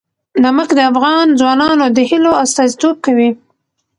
نمک د افغان ځوانانو د هیلو استازیتوب کوي.